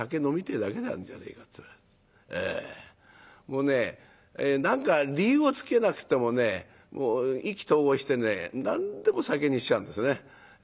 もうね何か理由をつけなくてもね意気投合してね何でも酒にしちゃうんですよね。